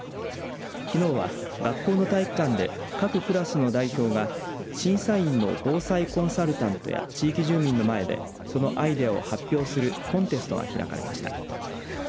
きのうは学校の体育館で各クラスの代表が審査員の防災コンサルタントや地域住民の前でそのアイデアを発表するコンテストが開かれました。